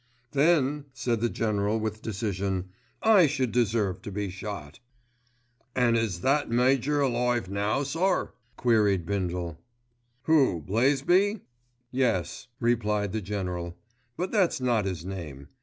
"Then," said the General with decision, "I should deserve to be shot. "An' is that Major alive now, sir?" queried Bindle. "Who, Blaisby? Yes," replied the General; "but that's not his name.